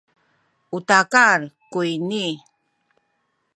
u takal kuyni